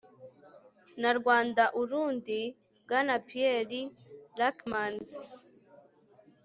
na rwanda-urundi, bwana pierre ryckmans